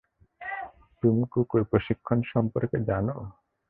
তুমি কুকুর প্রশিক্ষণ সম্পর্কে জানো?